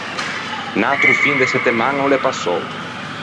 Un atro fin de settemaña o l’é passou.